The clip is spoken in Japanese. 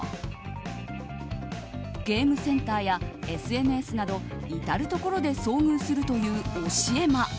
ゲームセンターやＳＮＳなど至るところで遭遇するという教え魔。